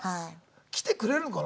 来てくれるのかな